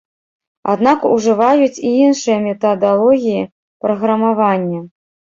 Аднак ужываюць і іншыя метадалогіі праграмавання.